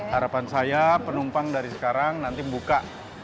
harapan saya penumpang dari sekarang nanti buka